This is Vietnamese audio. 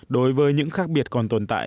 đối với những khác biệt còn tồn tại